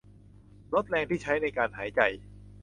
ลดแรงที่ใช้ในการหายใจ